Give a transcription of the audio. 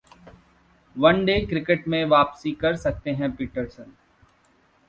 one day cricket में वापसी कर सकते हैं पीटरसन